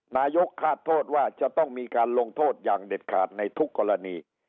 นายกคาดโทษว่าจะต้องมีการลงโทษอย่างเด็ดขาดในทุกกรณี